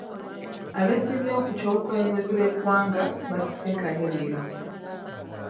Abesimbyewo ku ky'obukulembeze b'eggwanga basisinkanye leero.